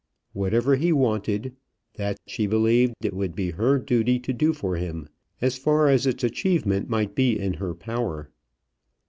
Whatever he wanted, that she believed it would be her duty to do for him, as far as its achievement might be in her power.